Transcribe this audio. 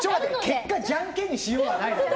結果じゃんけんにしようはないだろ。